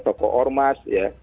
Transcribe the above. tokoh ormas ya